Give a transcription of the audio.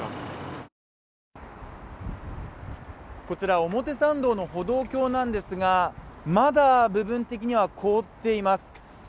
こちら表参道の歩道橋なんですが、まだ部分的には凍っています。